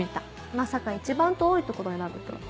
まさか一番遠いところ選ぶとは。